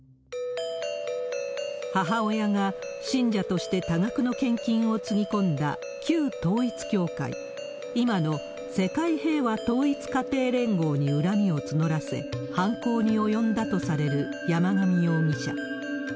母親が信者として多額の献金をつぎ込んだ旧統一教会、今の世界平和統一家庭連合に恨みを募らせ、犯行に及んだとされる山上容疑者。